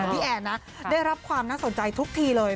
พี่แอนนะได้รับความน่าสนใจทุกทีเลย